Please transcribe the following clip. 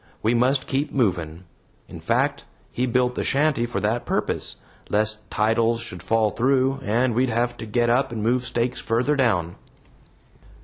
We must keep movin'. In fact, he built the shanty for that purpose, lest titles should fall through, and we'd have to get up and move stakes further down."